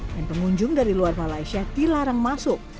dan pengunjung dari luar malaysia dilarang masuk